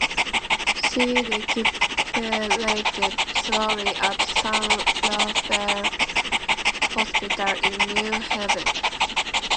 She recuperated slowly at San Raphael Hospital in New Haven.